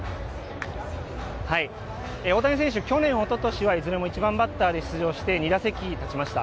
大谷選手、去年、おととしはいずれも１番バッターで出場して、２打席立ちました。